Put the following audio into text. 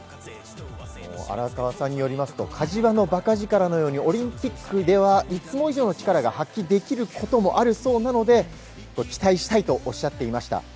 荒川さんによりますと、火事場のばか力のように、オリンピックではいつも以上の力が発揮できることもあるそうなので、期待したいとおっしゃっていました。